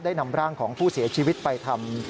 นำร่างของผู้เสียชีวิตไปทำ